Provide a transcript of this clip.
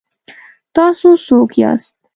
تاسو څوک یاست؟